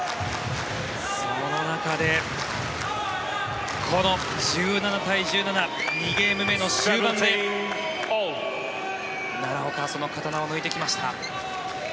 その中で、この１７対１７２ゲーム目の終盤で奈良岡はその刀を抜いてきました。